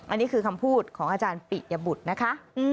อันนี้คือคำพูดของอาจารย์ปิยบุตรนะคะ